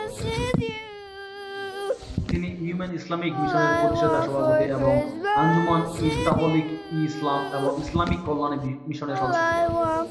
তিনি women Islamic মিশনের প্রতিষ্ঠাতা সভাপতি এবং আঞ্জুমান-ই-তাবলীগ-ই-ইসলাম এবং ইসলামিক কল্যাণে মিশনের সদস্য ছিলেন।